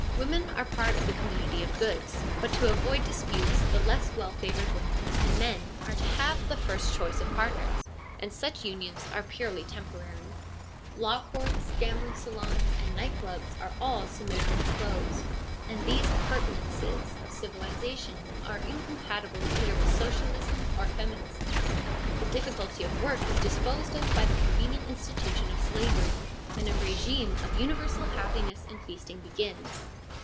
Women are part of the com munity of goods, but to avoid disputes the less well favoured women and men are to have the first choice of partners, and such unions are purely temporary. 166 FEMINISM IN GREEK LITERATURE Law courts, gambling saloons, and night clubs are all summarily closed ; for these appurtenances of civilisation are incompatible either with socialism or feminism. The difficulty of work is disposed of by the convenient institution of slavery, and a rigime of universal happiness and feasting begins.